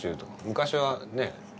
昔はね